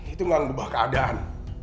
itu gak membah keadaan